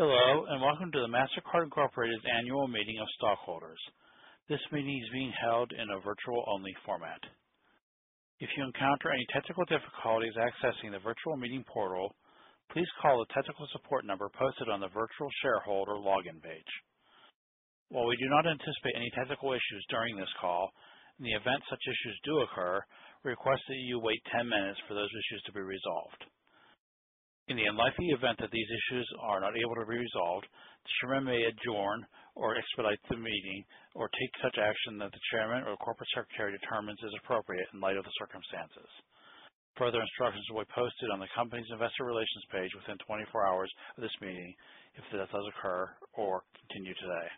Hello, and welcome to the Mastercard Incorporated Annual Meeting of Stockholders. This meeting is being held in a virtual-only format. If you encounter any technical difficulties accessing the virtual meeting portal, please call the technical support number posted on the virtual shareholder login page. While we do not anticipate any technical issues during this call, in the event such issues do occur, we request that you wait 10 minutes for those issues to be resolved. In the unlikely event that these issues are not able to be resolved, the Chairman may adjourn or expedite the meeting or take such action that the Chairman or Corporate Secretary determines is appropriate in light of the circumstances. Further instructions will be posted on the company's investor relations page within 24 hours of this meeting if that does occur or continue today.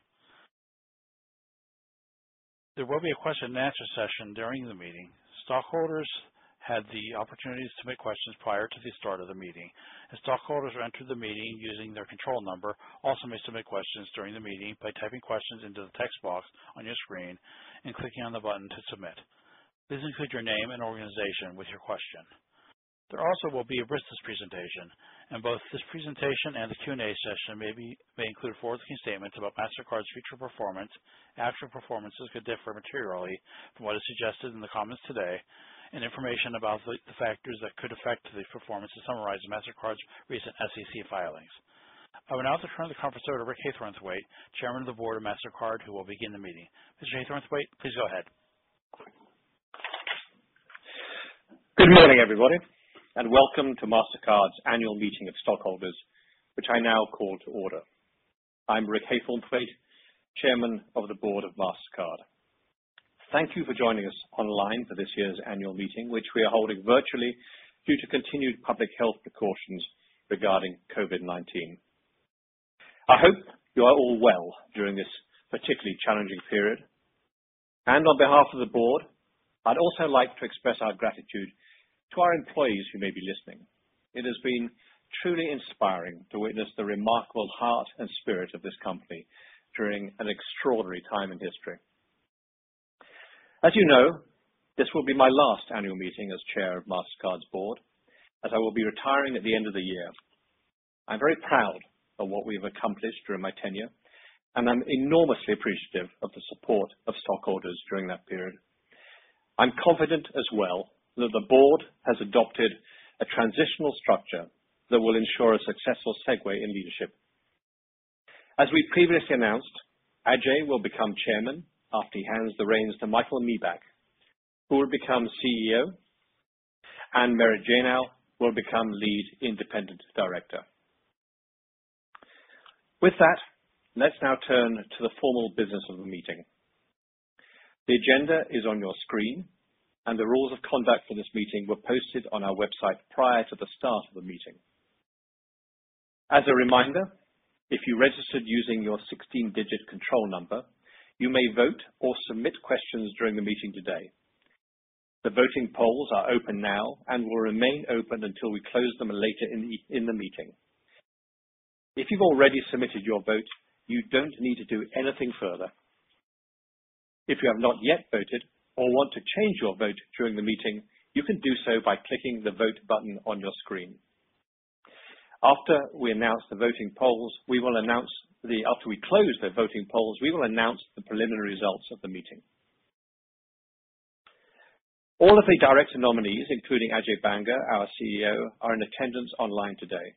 There will be a question-and-answer session during the meeting. Stockholders had the opportunities to submit questions prior to the start of the meeting, and stockholders who enter the meeting using their control number also may submit questions during the meeting by typing questions into the text box on your screen and clicking on the button to submit. Please include your name and organization with your question. There also will be a business presentation, and both this presentation and the Q&A session may include forward-looking statements about Mastercard's future performance. Actual performances could differ materially from what is suggested in the comments today, and information about the factors that could affect the performance is summarized in Mastercard's recent SEC filings. I will now turn the conference over to Rick Haythornthwaite, Chairman of the Board of Mastercard, who will begin the meeting. Mr. Haythornthwaite, please go ahead. Good morning, everybody, welcome to Mastercard's Annual Meeting of Stockholders, which I now call to order. I'm Rick Haythornthwaite, Chairman of the Board of Mastercard. Thank you for joining us online for this year's annual meeting, which we are holding virtually due to continued public health precautions regarding COVID-19. I hope you are all well during this particularly challenging period. On behalf of the Board, I'd also like to express our gratitude to our employees who may be listening. It has been truly inspiring to witness the remarkable heart and spirit of this company during an extraordinary time in history. As you know, this will be my last annual meeting as Chair of Mastercard's Board, as I will be retiring at the end of the year. I'm very proud of what we've accomplished during my tenure, and I'm enormously appreciative of the support of stockholders during that period. I'm confident as well that the board has adopted a transitional structure that will ensure a successful segue in leadership. As we previously announced, Ajay will become Chairman after he hands the reins to Michael Miebach, who will become CEO, and Merit Janow will become Lead Independent Director. With that, let's now turn to the formal business of the meeting. The agenda is on your screen, and the rules of conduct for this meeting were posted on our website prior to the start of the meeting. As a reminder, if you registered using your 16-digit control number, you may vote or submit questions during the meeting today. The voting polls are open now and will remain open until we close them later in the meeting. If you've already submitted your vote, you don't need to do anything further. If you have not yet voted or want to change your vote during the meeting, you can do so by clicking the vote button on your screen. After we close the voting polls, we will announce the preliminary results of the meeting. All of the director nominees, including Ajay Banga, our CEO, are in attendance online today.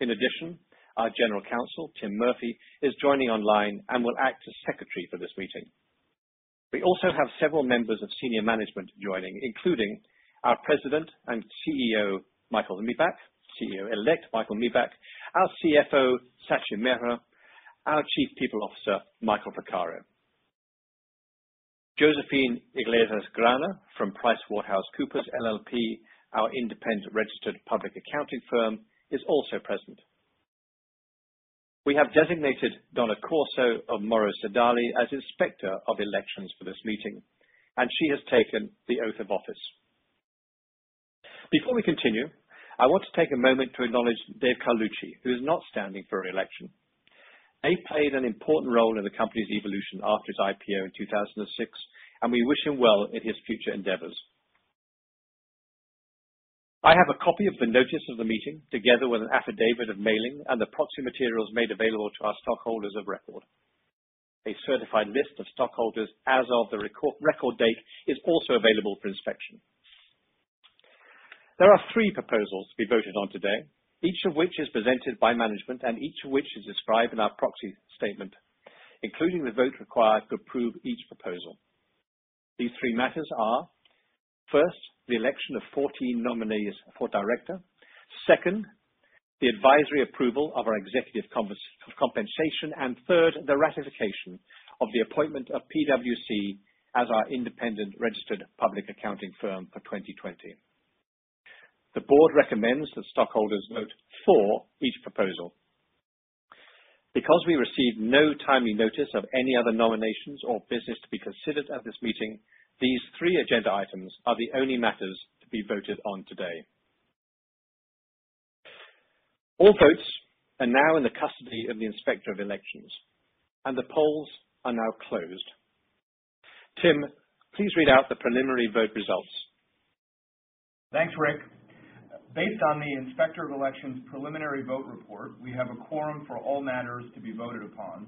In addition, our General Counsel, Tim Murphy, is joining online and will act as Secretary for this meeting. We also have several members of senior management joining, including our President and CEO, Michael Miebach, CEO-elect Michael Miebach, our CFO, Sachin Mehra, our Chief People Officer, Michael Fraccaro. Josephine Iglesias-Graner from PricewaterhouseCoopers LLP, our independent registered public accounting firm, is also present. We have designated Donna Corso of Morrow Sodali as Inspector of Elections for this meeting, and she has taken the oath of office. Before we continue, I want to take a moment to acknowledge Dave Carlucci, who is not standing for re-election. Dave played an important role in the company's evolution after his IPO in 2006. We wish him well in his future endeavors. I have a copy of the notice of the meeting, together with an affidavit of mailing and the proxy materials made available to our stockholders of record. A certified list of stockholders as of the record date is also available for inspection. There are three proposals to be voted on today, each of which is presented by management and each of which is described in our proxy statement, including the vote required to approve each proposal. These three matters are, first, the election of 14 nominees for director. Second, the advisory approval of our executive compensation. Third, the ratification of the appointment of PwC as our independent registered public accounting firm for 2020. The board recommends that stockholders vote for each proposal. Because we received no timely notice of any other nominations or business to be considered at this meeting, these three agenda items are the only matters to be voted on today. All votes are now in the custody of the Inspector of Elections, and the polls are now closed. Tim, please read out the preliminary vote results. Thanks, Rick. Based on the Inspector of Elections preliminary vote report, we have a quorum for all matters to be voted upon,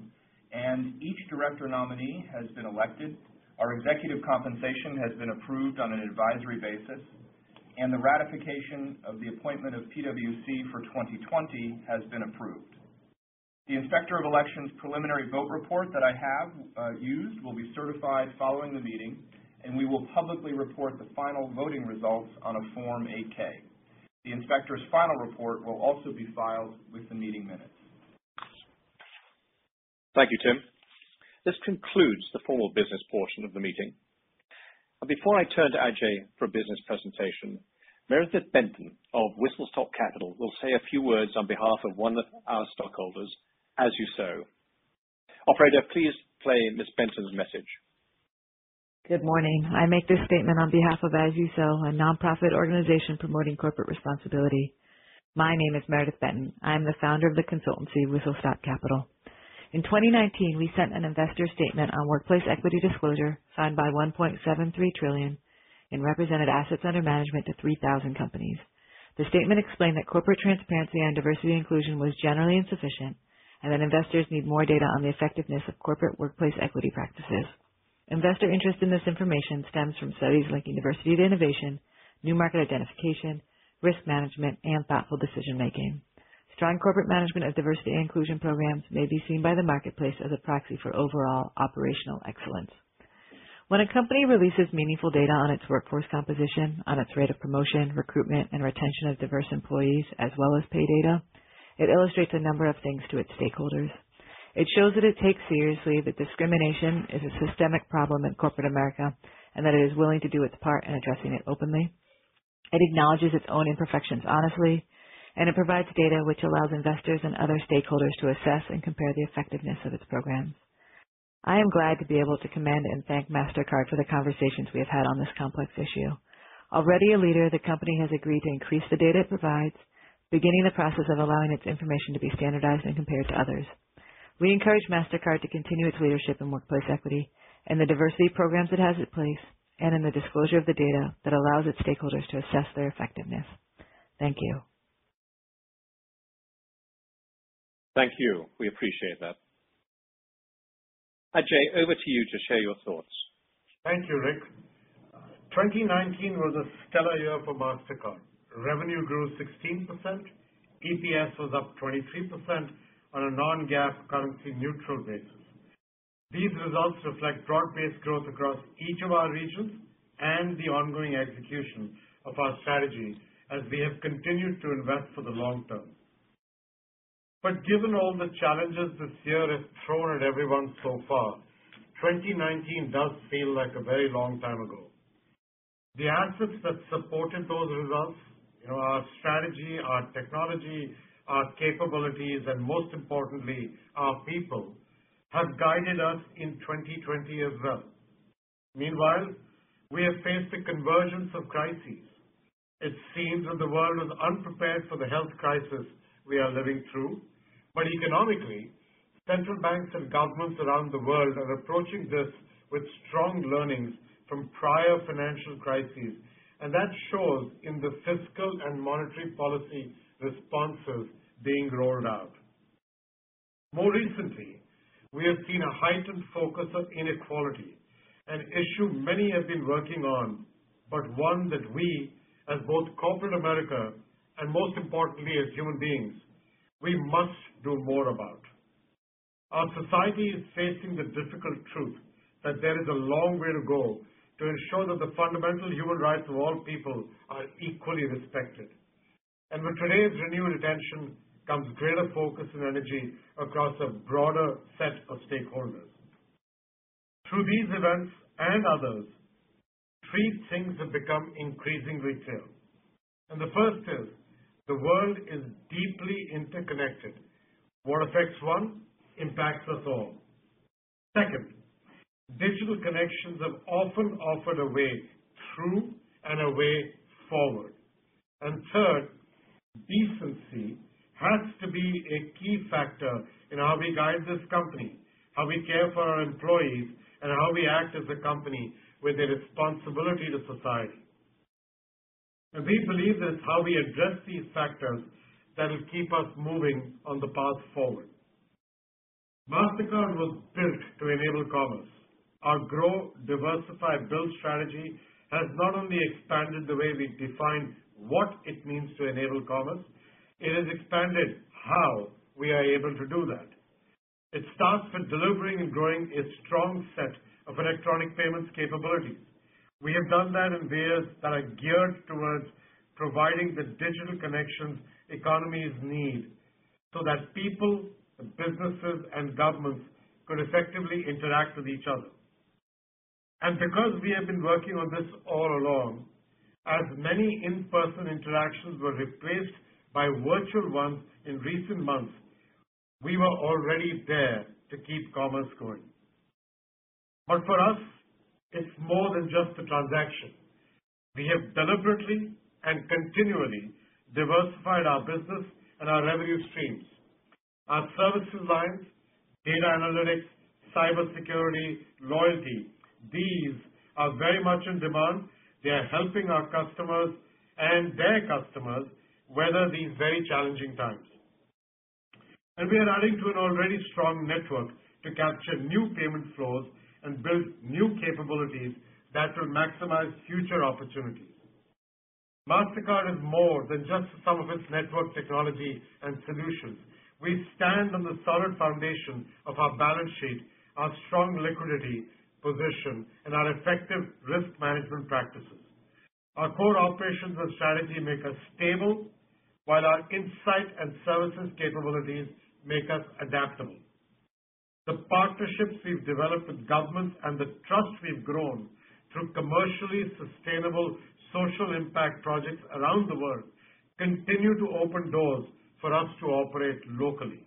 and each director nominee has been elected. Our executive compensation has been approved on an advisory basis, and the ratification of the appointment of PwC for 2020 has been approved. The Inspector of Elections preliminary vote report that I have used will be certified following the meeting, and we will publicly report the final voting results on a Form 8-K. The Inspector's final report will also be filed with the meeting minutes. Thank you, Tim. This concludes the formal business portion of the meeting. Before I turn to Ajay for a business presentation, Meredith Benton of Whistle Stop Capital will say a few words on behalf of one of our stockholders, As You Sow. Operator, please play Ms. Benton's message. Good morning. I make this statement on behalf of As You Sow, a nonprofit organization promoting corporate responsibility. My name is Meredith Benton. I'm the founder of the consultancy, Whistle Stop Capital. In 2019, we sent an investor statement on workplace equity disclosure signed by $1.73 trillion in represented assets under management to 3,000 companies. The statement explained that corporate transparency and diversity inclusion was generally insufficient and that investors need more data on the effectiveness of corporate workplace equity practices. Investor interest in this information stems from studies linking diversity to innovation, new market identification, risk management, and thoughtful decision-making. Strong corporate management of diversity and inclusion programs may be seen by the marketplace as a proxy for overall operational excellence. When a company releases meaningful data on its workforce composition, on its rate of promotion, recruitment, and retention of diverse employees, as well as pay data, it illustrates a number of things to its stakeholders. It shows that it takes seriously that discrimination is a systemic problem in corporate America and that it is willing to do its part in addressing it openly. It acknowledges its own imperfections honestly, and it provides data which allows investors and other stakeholders to assess and compare the effectiveness of its programs. I am glad to be able to commend and thank Mastercard for the conversations we have had on this complex issue. Already a leader, the company has agreed to increase the data it provides, beginning the process of allowing its information to be standardized and compared to others. We encourage Mastercard to continue its leadership in workplace equity, in the diversity programs it has in place, and in the disclosure of the data that allows its stakeholders to assess their effectiveness. Thank you. Thank you. We appreciate that. Ajay, over to you to share your thoughts. Thank you, Rick. 2019 was a stellar year for Mastercard. Revenue grew 16%, EPS was up 23% on a non-GAAP currency neutral basis. These results reflect broad-based growth across each of our regions and the ongoing execution of our strategy as we have continued to invest for the long term. Given all the challenges this year has thrown at everyone so far, 2019 does feel like a very long time ago. The assets that supported those results, our strategy, our technology, our capabilities, and most importantly, our people, have guided us in 2020 as well. Meanwhile, we have faced a convergence of crises. It seems that the world was unprepared for the health crisis we are living through. Economically, central banks and governments around the world are approaching this with strong learnings from prior financial crises, and that shows in the fiscal and monetary policy responses being rolled out. More recently, we have seen a heightened focus on inequality, an issue many have been working on, but one that we, as both corporate America and most importantly as human beings, we must do more about. Our society is facing the difficult truth that there is a long way to go to ensure that the fundamental human rights of all people are equally respected. With today's renewed attention comes greater focus and energy across a broader set of stakeholders. Through these events and others, three things have become increasingly clear. The first is, the world is deeply interconnected. What affects one impacts us all. Second, digital connections have often offered a way through and a way forward. Third, decency has to be a key factor in how we guide this company, how we care for our employees, and how we act as a company with a responsibility to society. We believe it's how we address these factors that will keep us moving on the path forward. Mastercard was built to enable commerce. Our Grow, Diversify, Build strategy has not only expanded the way we define what it means to enable commerce, it has expanded how we are able to do that. It starts with delivering and growing a strong set of electronic payments capabilities. We have done that in ways that are geared towards providing the digital connections economies need so that people and businesses and governments could effectively interact with each other. Because we have been working on this all along, as many in-person interactions were replaced by virtual ones in recent months, we were already there to keep commerce going. For us, it's more than just a transaction. We have deliberately and continually diversified our business and our revenue streams. Our services lines, data analytics, cybersecurity, loyalty, these are very much in demand. They are helping our customers and their customers weather these very challenging times. We are adding to an already strong network to capture new payment flows and build new capabilities that will maximize future opportunities. Mastercard is more than just the sum of its network technology and solutions. We stand on the solid foundation of our balance sheet, our strong liquidity position, and our effective risk management practices. Our core operations and strategy make us stable, while our insight and services capabilities make us adaptable. The partnerships we've developed with governments and the trust we've grown through commercially sustainable social impact projects around the world continue to open doors for us to operate locally.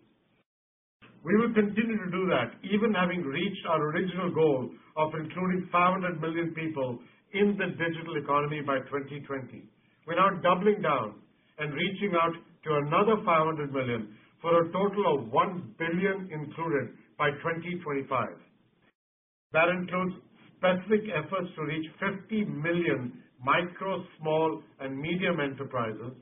We will continue to do that, even having reached our original goal of including 500 million people in the digital economy by 2020. We are now doubling down and reaching out to another 500 million for a total of 1 billion included by 2025. That includes specific efforts to reach 50 million micro, small, and medium enterprises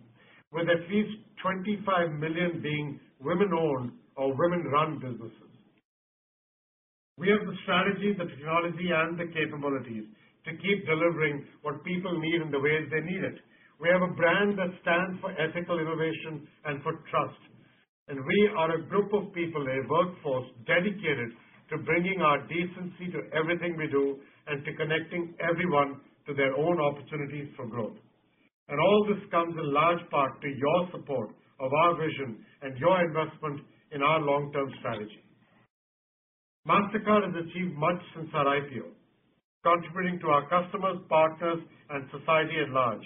with at least 25 million being women-owned or women-run businesses. We have the strategy, the technology, and the capabilities to keep delivering what people need in the ways they need it. We have a brand that stands for ethical innovation and for trust, and we are a group of people and a workforce dedicated to bringing our decency to everything we do and to connecting everyone to their own opportunities for growth. All this comes in large part to your support of our vision and your investment in our long-term strategy. Mastercard has achieved much since our IPO, contributing to our customers, partners, and society at large.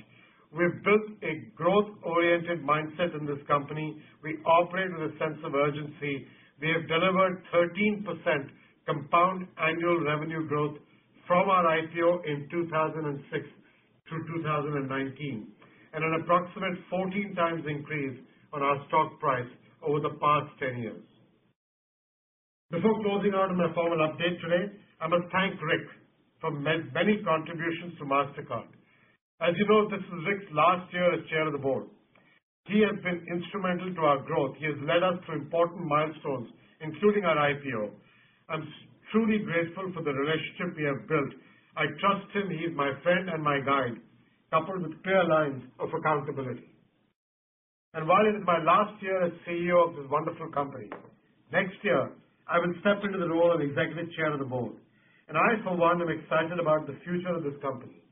We've built a growth-oriented mindset in this company. We operate with a sense of urgency. We have delivered 13% compound annual revenue growth from our IPO in 2006 through 2019, and an approximate 14x increase on our stock price over the past 10 years. Before closing out on my formal update today, I must thank Rick for many contributions to Mastercard. As you know, this is Rick's last year as Chair of the Board. He has been instrumental to our growth. He has led us through important milestones, including our IPO. I'm truly grateful for the relationship we have built. I trust him. He is my friend and my guide, coupled with clear lines of accountability. While it is my last year as CEO of this wonderful company, next year I will step into the role of Executive Chair of the Board, and I, for one, am excited about the future of this company.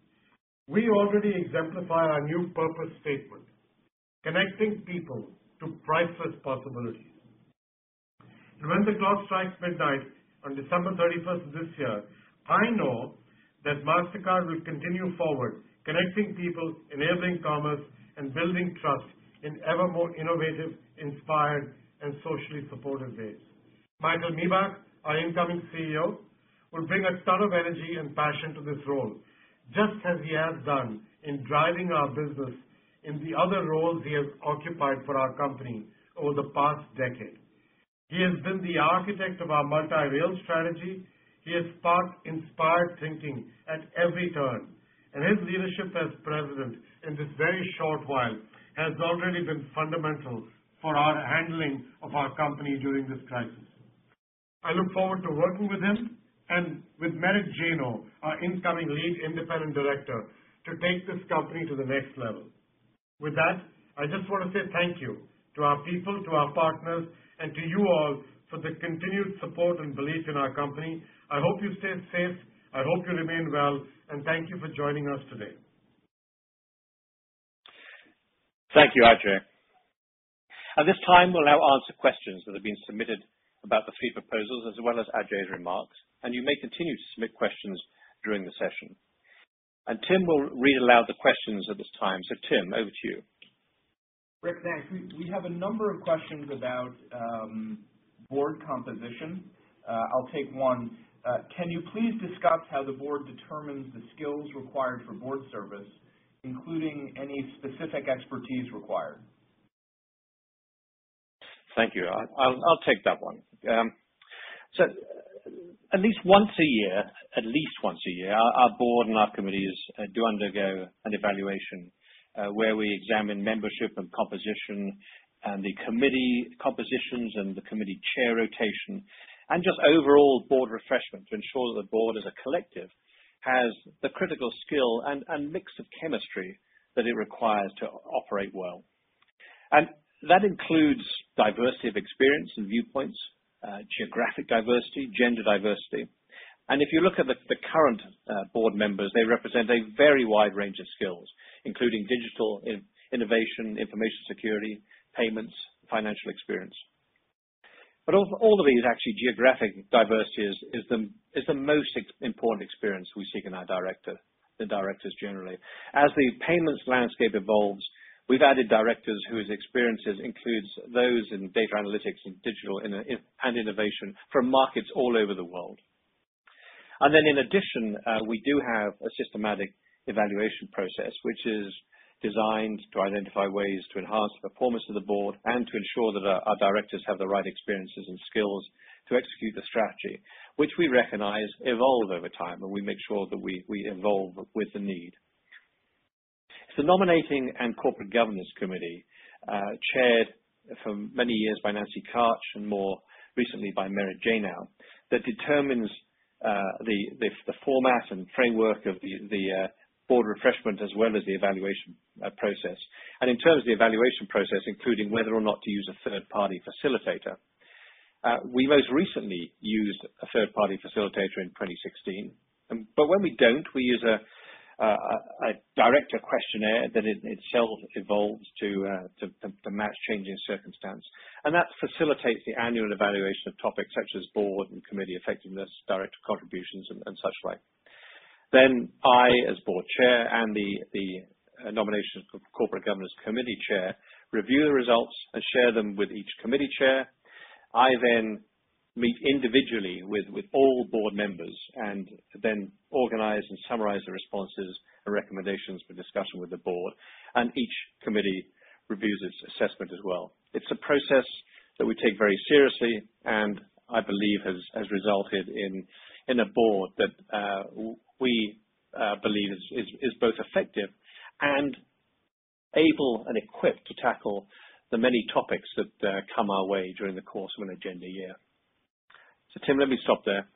We already exemplify our new purpose statement, connecting people to priceless possibilities. When the clock strikes midnight on December 31st of this year, I know that Mastercard will continue forward, connecting people, enabling commerce, and building trust in ever more innovative, inspired, and socially supportive ways. Michael Miebach, our incoming CEO, will bring a ton of energy and passion to this role, just as he has done in driving our business in the other roles he has occupied for our company over the past decade. He has been the architect of our multi-rail strategy. He has sparked inspired thinking at every turn, and his leadership as President in this very short while has already been fundamental for our handling of our company during this crisis. I look forward to working with him and with Merit Janow, our incoming Lead Independent Director, to take this company to the next level. With that, I just want to say thank you to our people, to our partners, and to you all for the continued support and belief in our company. I hope you stay safe. I hope you remain well, and thank you for joining us today. Thank you, Ajay. At this time, we'll now answer questions that have been submitted about the fee proposals as well as Ajay's remarks, and you may continue to submit questions during the session. Tim will read aloud the questions at this time. Tim, over to you. Rick, thanks. We have a number of questions about board composition. I'll take one. Can you please discuss how the board determines the skills required for board service, including any specific expertise required? Thank you. I'll take that one. At least once a year, our board and our committees do undergo an evaluation, where we examine membership and composition and the committee compositions and the committee chair rotation and just overall board refreshment to ensure that the board as a collective has the critical skill and mix of chemistry that it requires to operate well. That includes diversity of experience and viewpoints, geographic diversity, gender diversity. If you look at the current board members, they represent a very wide range of skills, including digital innovation, information security, payments, financial experience. Of all of these, actually, geographic diversity is the most important experience we seek in our director, the directors generally. As the payments landscape evolves, we've added directors whose experiences includes those in data analytics and digital and innovation from markets all over the world. In addition, we do have a systematic evaluation process, which is designed to identify ways to enhance performance of the board and to ensure that our directors have the right experiences and skills to execute the strategy, which we recognize evolve over time, and we make sure that we evolve with the need. It's the Nominating and Corporate Governance Committee, chaired for many years by Nancy Karch and more recently by Merit Janow, that determines the format and framework of the board refreshment as well as the evaluation process, including whether or not to use a third-party facilitator. We most recently used a third-party facilitator in 2016. When we don't, we use a director questionnaire that itself evolves to match changing circumstance. That facilitates the annual evaluation of topics such as board and committee effectiveness, director contributions, and such like. I, as board chair, and the Nominating and Corporate Governance Committee chair review the results and share them with each committee chair. I then meet individually with all board members and then organize and summarize the responses and recommendations for discussion with the board. Each committee reviews its assessment as well. It's a process that we take very seriously and I believe has resulted in a board that we believe is both effective and able and equipped to tackle the many topics that come our way during the course of an agenda year. Tim, let me stop there.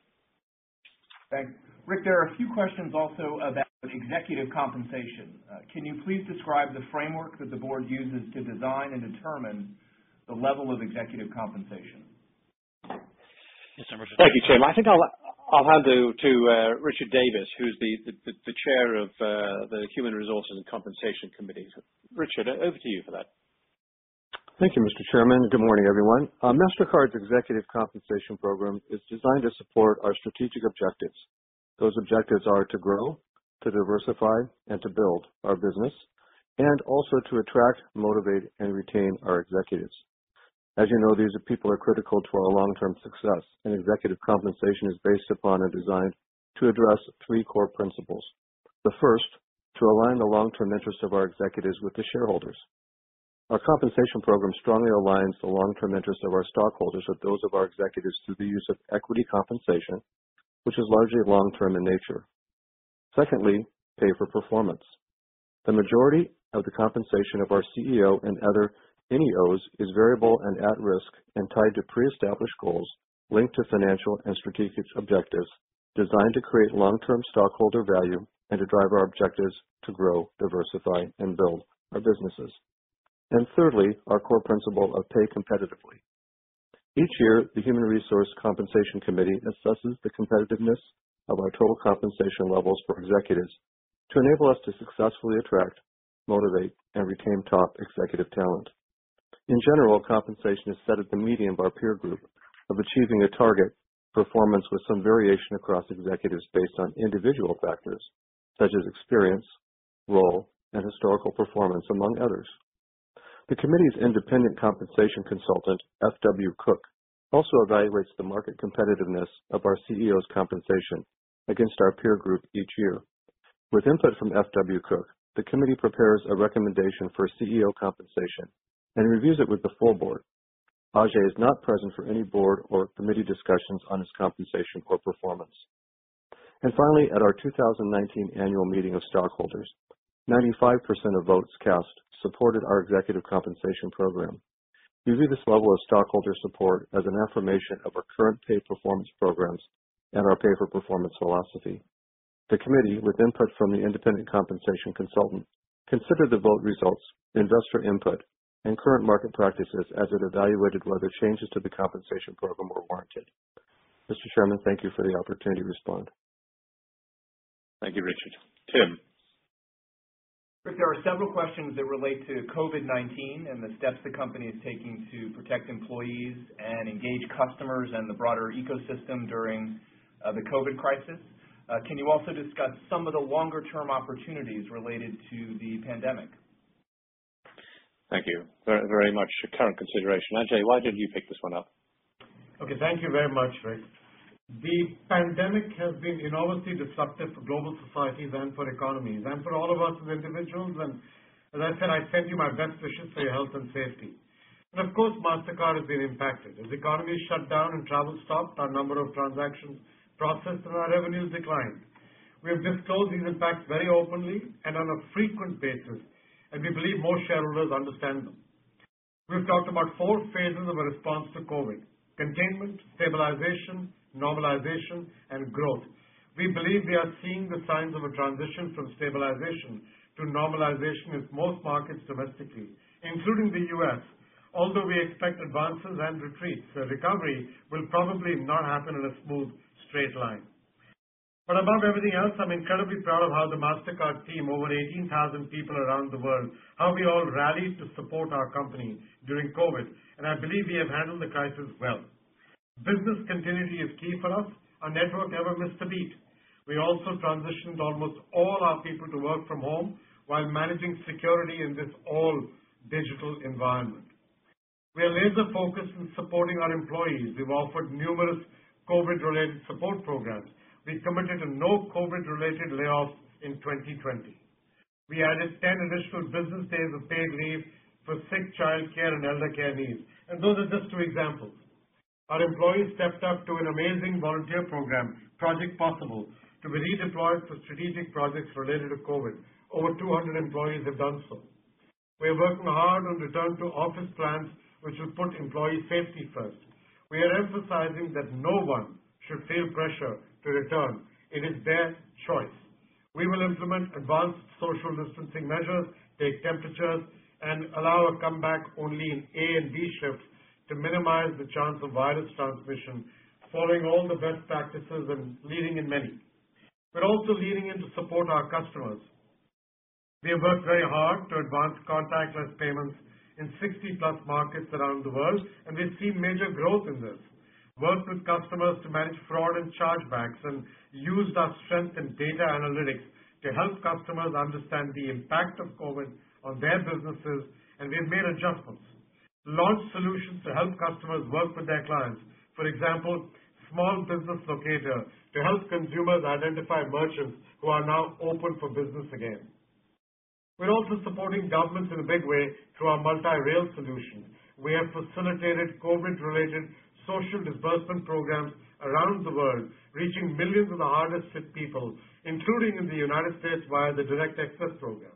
Thanks. Rick, there are a few questions also about executive compensation. Can you please describe the framework that the Board uses to design and determine the level of executive compensation? Thank you, Tim. I think I'll hand you to Richard Davis, who's the chair of the Human Resources and Compensation Committee. Richard, over to you for that. Thank you, Mr. Chairman. Good morning, everyone. Mastercard's Executive Compensation program is designed to support our strategic objectives. Those objectives are to grow, to diversify, and to build our business, and also to attract, motivate, and retain our executives. As you know, these people are critical to our long-term success, and executive compensation is based upon and designed to address three core principles. The first, to align the long-term interests of our executives with the shareholders. Our compensation program strongly aligns the long-term interests of our stockholders with those of our executives through the use of equity compensation, which is largely long-term in nature. Secondly, pay for performance. The majority of the compensation of our CEO and other NEOs is variable and at-risk and tied to pre-established goals linked to financial and strategic objectives designed to create long-term stockholder value and to drive our objectives to grow, diversify, and build our businesses. Thirdly, our core principle of pay competitively. Each year, the Human Resources and Compensation Committee assesses the competitiveness of our total compensation levels for executives to enable us to successfully attract, motivate, and retain top executive talent. In general, compensation is set at the median of our peer group of achieving a target performance with some variation across executives based on individual factors such as experience, role, and historical performance, among others. The committee's independent compensation consultant, FW Cook, also evaluates the market competitiveness of our CEO's compensation against our peer group each year. With input from FW Cook, the committee prepares a recommendation for CEO compensation and reviews it with the full board. Ajay is not present for any board or committee discussions on his compensation or performance. Finally, at our 2019 annual meeting of stockholders, 95% of votes cast supported our executive compensation program. We view this level of stockholder support as an affirmation of our current pay performance programs and our pay for performance philosophy. The committee, with input from the independent compensation consultant, considered the vote results, investor input, and current market practices as it evaluated whether changes to the compensation program were warranted. Mr. Chairman, thank you for the opportunity to respond. Thank you, Richard. Tim. Rick, there are several questions that relate to COVID-19 and the steps the company is taking to protect employees and engage customers and the broader ecosystem during the COVID crisis. Can you also discuss some of the longer-term opportunities related to the pandemic? Thank you very much. Current consideration. Ajay, why don't you pick this one up? Okay, thank you very much, Rick. The pandemic has been enormously disruptive for global societies and for economies and for all of us as individuals. As I said, I send you my best wishes for your health and safety. Of course, Mastercard has been impacted. As economies shut down and travel stopped, our number of transactions processed and our revenues declined. We have disclosed these impacts very openly and on a frequent basis. We believe most shareholders understand them. We've talked about four phases of a response to COVID: containment, stabilization, normalization, and growth. We believe we are seeing the signs of a transition from stabilization to normalization in most markets domestically, including the U.S. Although we expect advances and retreats, the recovery will probably not happen in a smooth, straight line. Above everything else, I'm incredibly proud of how the Mastercard team, over 18,000 people around the world, how we all rallied to support our company during COVID. I believe we have handled the crisis well. Business continuity is key for us. Our network never missed a beat. We also transitioned almost all our people to work from home while managing security in this all-digital environment. We are laser-focused on supporting our employees. We've offered numerous COVID-related support programs. We've committed to no COVID-related layoffs in 2020. We added 10 additional business days of paid leave for sick child care and elder care needs, and those are just two examples. Our employees stepped up to an amazing volunteer program, Project Possible, to be redeployed for strategic projects related to COVID. Over 200 employees have done so. We are working hard on return-to-office plans which will put employee safety first. We are emphasizing that no one should feel pressure to return. It is their choice. We will implement advanced social distancing measures, take temperatures, and allow a comeback only in A and B shifts to minimize the chance of virus transmission, following all the best practices and leading in many. We're also leading in to support our customers. We have worked very hard to advance contactless payments in 60+ markets around the world, and we've seen major growth in this. Worked with customers to manage fraud and chargebacks, and used our strength in data analytics to help customers understand the impact of COVID-19 on their businesses. We have made adjustments. Launched solutions to help customers work with their clients. For example, small business locator to help consumers identify merchants who are now open for business again. We're also supporting governments in a big way through our multi-rail solution. We have facilitated COVID-related social disbursement programs around the world, reaching millions of the hardest hit people, including in the U.S. via the Direct Express program.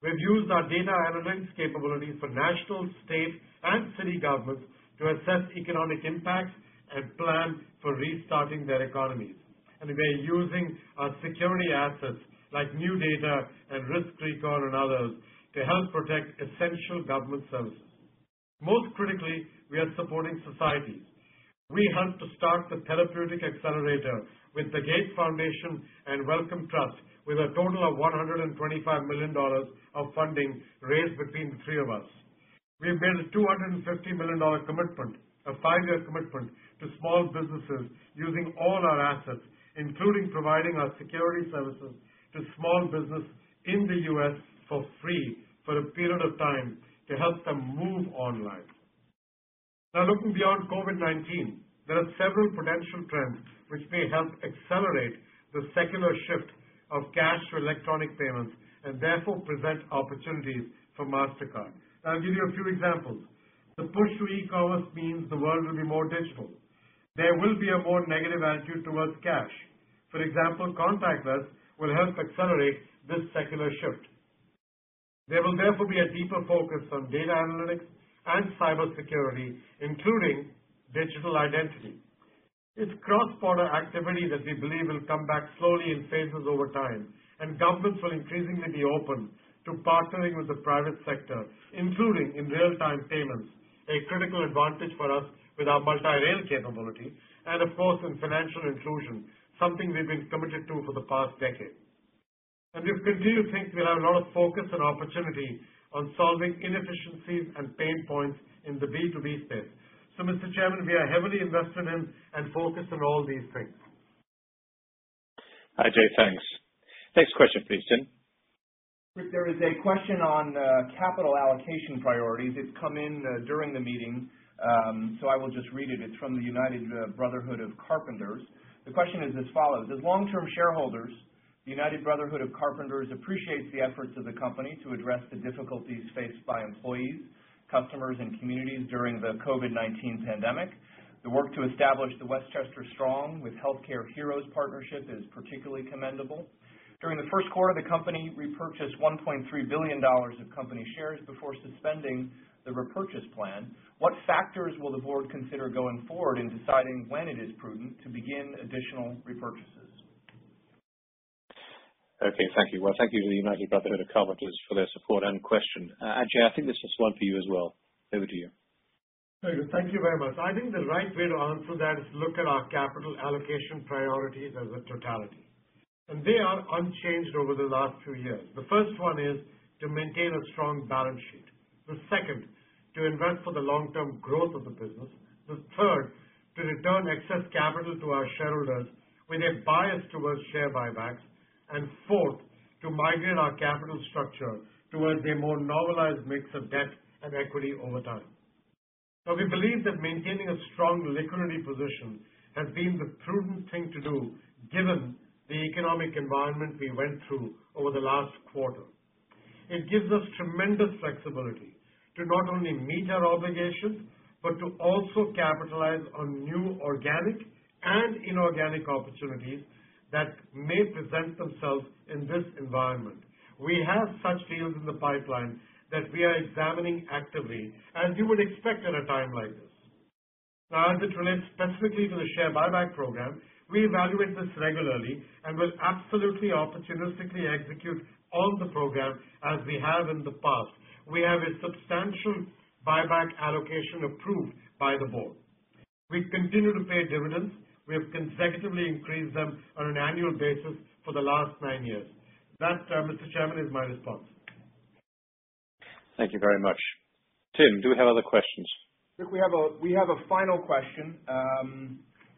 We've used our data analytics capabilities for national, state, and city governments to assess economic impacts and plan for restarting their economies. We're using our security assets like NuData and RiskRecon and others to help protect essential government services. Most critically, we are supporting society. We helped to start the Therapeutics Accelerator with the Gates Foundation and Wellcome Trust, with a total of $125 million of funding raised between the three of us. We've made a $250 million commitment, a five-year commitment, to small businesses using all our assets, including providing our security services to small business in the U.S. for free for a period of time to help them move online. Looking beyond COVID-19, there are several potential trends which may help accelerate the secular shift of cash to electronic payments and therefore present opportunities for Mastercard. I'll give you a few examples. The push to e-commerce means the world will be more digital. There will be a more negative attitude towards cash. For example, contactless will help accelerate this secular shift. There will therefore be a deeper focus on data analytics and cybersecurity, including digital identity. It's cross-border activity that we believe will come back slowly in phases over time, and governments will increasingly be open to partnering with the private sector, including in real-time payments, a critical advantage for us with our multi-rail capability and, of course, in financial inclusion, something we've been committed to for the past decade. We continue to think we'll have a lot of focus and opportunity on solving inefficiencies and pain points in the B2B space. Mr. Chairman, we are heavily invested in and focused on all these things. Ajay, thanks. Next question please, Tim. Rick, there is a question on capital allocation priorities. It's come in during the meeting, so I will just read it. It's from the United Brotherhood of Carpenters. The question is as follows: "As long-term shareholders, the United Brotherhood of Carpenters appreciates the efforts of the company to address the difficulties faced by employees, customers, and communities during the COVID-19 pandemic. The work to establish the Westchester Strong with Healthcare Heroes partnership is particularly commendable. During the first quarter, the company repurchased $1.3 billion of company shares before suspending the repurchase plan. What factors will the board consider going forward in deciding when it is prudent to begin additional repurchases? Okay, thank you. Well, thank you to the United Brotherhood of Carpenters for their support and question. Ajay, I think this is one for you as well. Over to you. Very good. Thank you very much. I think the right way to answer that is look at our capital allocation priorities as a totality. They are unchanged over the last two years. The first one is to maintain a strong balance sheet. The second, to invest for the long-term growth of the business. The third, to return excess capital to our shareholders with a bias towards share buybacks. Fourth, to migrate our capital structure towards a more normalized mix of debt and equity over time. We believe that maintaining a strong liquidity position has been the prudent thing to do given the economic environment we went through over the last quarter. It gives us tremendous flexibility to not only meet our obligations, but to also capitalize on new organic and inorganic opportunities that may present themselves in this environment. We have such deals in the pipeline that we are examining actively, as you would expect at a time like this. Now, as it relates specifically to the share buyback program, we evaluate this regularly and will absolutely opportunistically execute on the program as we have in the past. We have a substantial buyback allocation approved by the board. We continue to pay dividends. We have consecutively increased them on an annual basis for the last nine years. That, Mr. Chairman, is my response. Thank you very much. Tim, do we have other questions? Rick, we have a final question.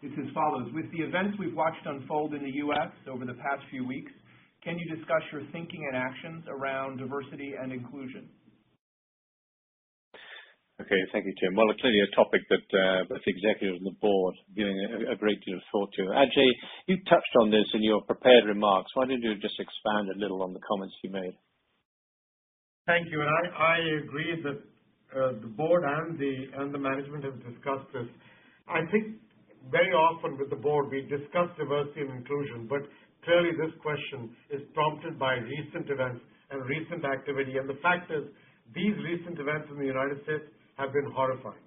It's as follows: "With the events we've watched unfold in the U.S. over the past few weeks Can you discuss your thinking and actions around diversity and inclusion? Okay. Thank you, Tim. Clearly a topic that the executives and the board giving a great deal of thought to. Ajay, you touched on this in your prepared remarks. Why don't you just expand a little on the comments you made? Thank you. I agree that the board and the management have discussed this. I think very often with the board, we discuss diversity and inclusion. Clearly, this question is prompted by recent events and recent activity. The fact is, these recent events in the U.S. have been horrifying.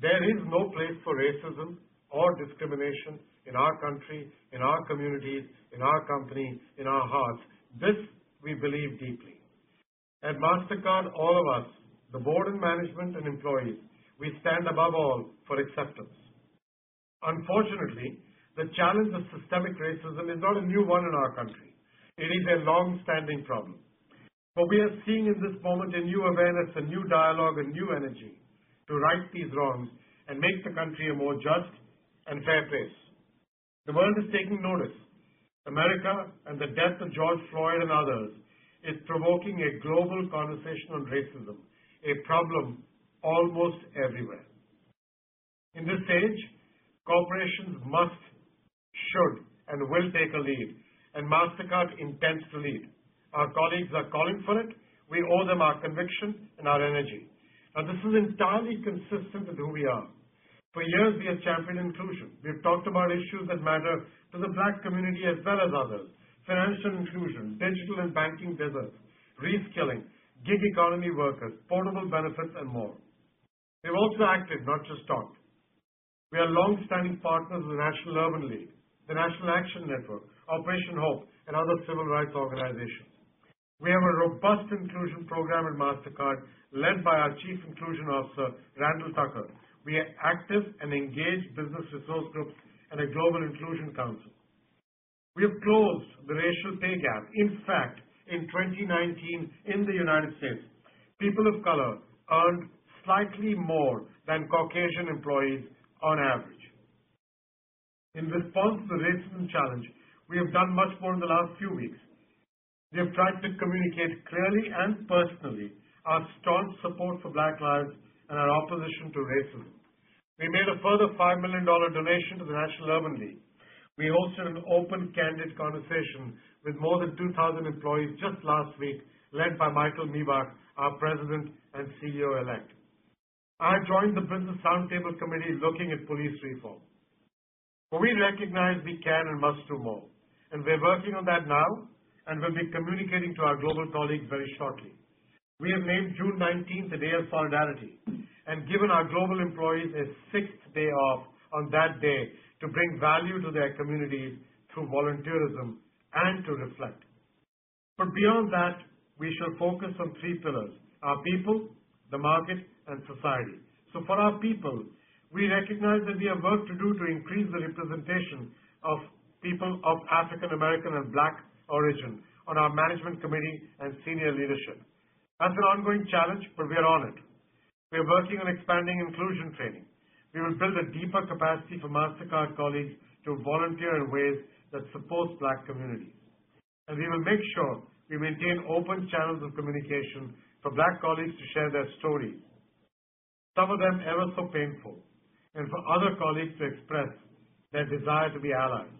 There is no place for racism or discrimination in our country, in our communities, in our company, in our hearts. This, we believe deeply. At Mastercard, all of us, the board and management and employees, we stand above all for acceptance. Unfortunately, the challenge of systemic racism is not a new one in our country. It is a longstanding problem. We are seeing in this moment a new awareness, a new dialogue, a new energy to right these wrongs and make the country a more just and fair place. The world is taking notice. America and the death of George Floyd and others is provoking a global conversation on racism, a problem almost everywhere. In this age, corporations must, should, and will take a lead. Mastercard intends to lead. Our colleagues are calling for it. We owe them our conviction and our energy. This is entirely consistent with who we are. For years, we have championed inclusion. We have talked about issues that matter to the Black community as well as others, financial inclusion, digital and banking deserts, reskilling, gig economy workers, portable benefits, and more. We've also acted, not just talked. We are longstanding partners with National Urban League, the National Action Network, Operation HOPE, and other civil rights organizations. We have a robust inclusion program at Mastercard, led by our Chief Inclusion Officer, Randall Tucker. We have active and engaged business resource groups and a global inclusion council. We have closed the racial pay gap. In fact, in 2019, in the U.S., people of color earned slightly more than Caucasian employees on average. In response to the racism challenge, we have done much more in the last few weeks. We have tried to communicate clearly and personally our staunch support for Black lives and our opposition to racism. We made a further $5 million donation to the National Urban League. We also had an open, candid conversation with more than 2,000 employees just last week, led by Michael Miebach, our President and CEO-elect. I joined the Business Roundtable committee looking at police reform. We recognize we can and must do more, and we're working on that now, and will be communicating to our global colleagues very shortly. We have made June 19th a day of solidarity and given our global employees a sixth day off on that day to bring value to their communities through volunteerism and to reflect. Beyond that, we shall focus on three pillars, our people, the market, and society. For our people, we recognize that we have work to do to increase the representation of people of African American and Black origin on our management committee and senior leadership. That's an ongoing challenge, but we are on it. We are working on expanding inclusion training. We will build a deeper capacity for Mastercard colleagues to volunteer in ways that support Black communities. We will make sure we maintain open channels of communication for Black colleagues to share their stories, some of them ever so painful, and for other colleagues to express their desire to be allies.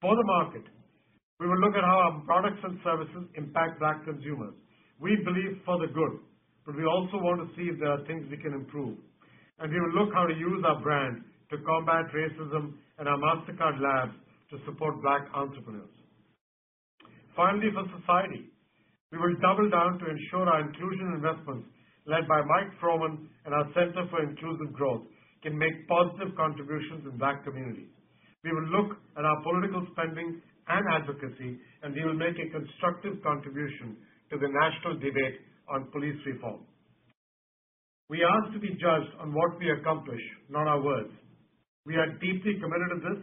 For the market, we will look at how our products and services impact Black consumers. We believe for the good, but we also want to see if there are things we can improve. We will look how to use our brand to combat racism and our Mastercard Labs to support Black entrepreneurs. For society, we will double down to ensure our inclusion investments, led by Mike Froman and our Center for Inclusive Growth, can make positive contributions in Black communities. We will look at our political spending and advocacy, and we will make a constructive contribution to the national debate on police reform. We ask to be judged on what we accomplish, not our words. We are deeply committed to this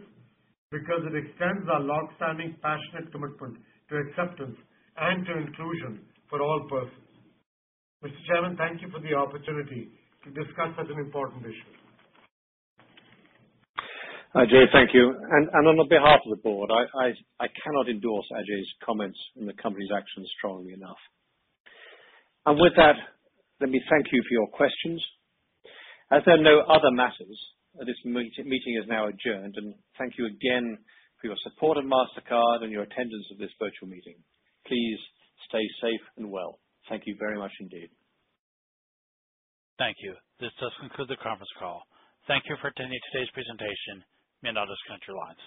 because it extends our longstanding passionate commitment to acceptance and to inclusion for all persons. Mr. Chairman, thank you for the opportunity to discuss such an important issue. Ajay, thank you. On the behalf of the board, I cannot endorse Ajay's comments and the company's actions strongly enough. With that, let me thank you for your questions. As there are no other matters, this meeting is now adjourned. Thank you again for your support of Mastercard and your attendance of this virtual meeting. Please stay safe and well. Thank you very much indeed. Thank you. This does conclude the conference call. Thank you for attending today's presentation. You may now disconnect your lines.